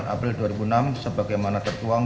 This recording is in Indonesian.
sembilan april dua ribu enam sebagaimana tertuang